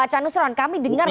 canus rohan kami dengar